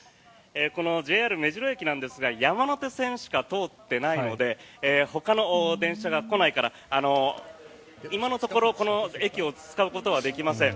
このＪＲ目白駅なんですが山手線しか通っていないのでほかの電車が来ないから今のところこの駅を使うことはできません。